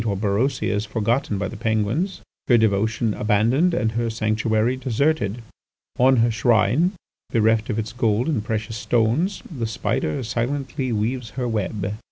Orberosia is forgotten by the Penguins, her devotion abandoned, and her sanctuary deserted. On her shrine, bereft of its gold and precious stones, the spider silently weaves her web."